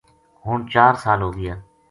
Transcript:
ہن چار سال ہو گیا